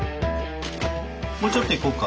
もうちょっといこうか。